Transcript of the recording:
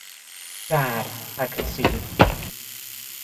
"Bad," I conceded.